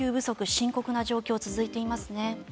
深刻な状況、続いていますね。